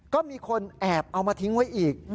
ก็มีคนแอบเอามาทิ้งไว้อีก